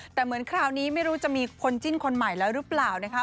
แต่เหมือนคราวนี้ไม่รู้จะมีคนจิ้นคนใหม่แล้วหรือเปล่านะคะ